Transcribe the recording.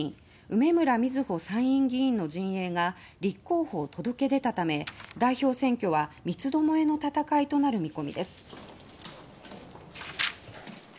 梅村みずほ参院議員の陣営が立候補を届け出たため代表選挙は三つどもえの戦いとなる見込みです。